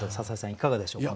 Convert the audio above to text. いかがでしょうか？